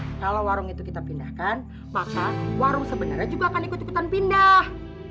hai kalau warung itu kita pindahkan maka warung sebenarnya juga akan ikut ikutan pindah